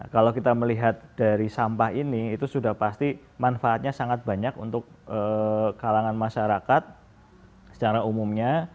kalau kita melihat dari sampah ini itu sudah pasti manfaatnya sangat banyak untuk kalangan masyarakat secara umumnya